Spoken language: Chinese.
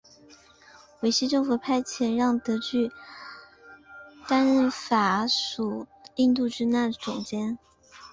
维希政府派遣让德句担任法属印度支那总督。